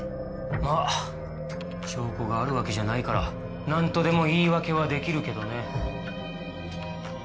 まあ証拠があるわけじゃないからなんとでも言い訳は出来るけどね。